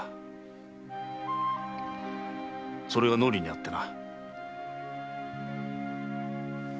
それが脳裏にあってな。